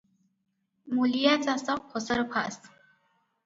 ମୂଲିଆ ଚାଷ ଫସରଫାସ ।"